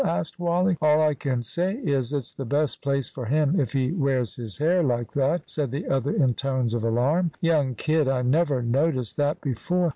asked Wally. "All I can say is, it's the best place for him if he wears his hair like that," said the other in tones of alarm. "Young kid, I never noticed that before!